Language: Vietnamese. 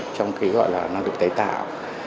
trong cái gọi là năng lượng tái tạo